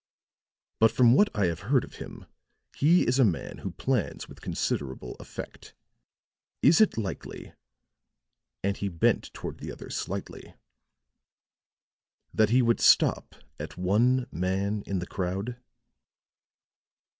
But from what I have heard of him, he is a man who plans with considerable effect. Is it likely," and he bent toward the other slightly, "that he would stop at one man in the crowd?"